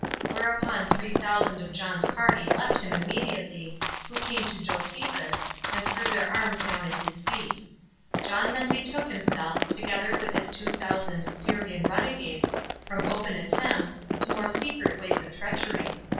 Whereupon three thousand of John's party left him immediately, who came to Josephus, and threw their arms down at his feet. John then betook himself, together with his two thousand Syrian runagates, from open attempts, to more secret ways of treachery.